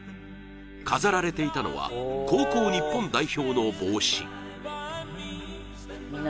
飾られていたのは、高校日本代表の帽子。